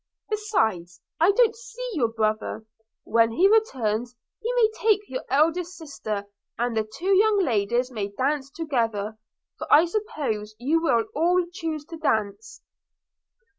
Besides, I don't see your brother: – when he returns, he may take your eldest sister; and the two youngest ladies may dance together, for I suppose you will all choose to dance.'